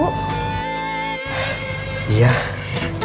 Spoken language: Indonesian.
sampaikan terima kasih sama ibu